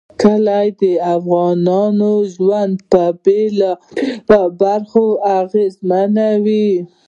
کلي د افغانانو ژوند په بېلابېلو برخو اغېزمنوي.